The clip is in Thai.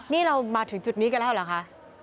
นี่เรามาถึงจุดนี้กันแล้วเหรอคะ